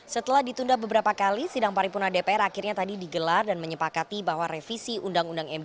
setelah ditunda beberapa kali sidang paripurna dpr akhirnya tadi digelar dan menyepakati bahwa revisi undang undang md tiga